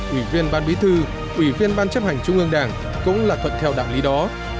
ủy viên ban bí thư ủy viên ban chấp hành trung ương đảng cũng là thuận theo đảng lý đó